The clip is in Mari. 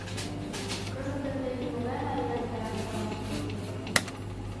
Кызыт ынде нимогай марият Яраҥ олаште уке.